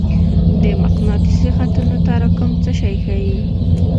د مقناطیسي خطونو تراکم څه شی ښيي؟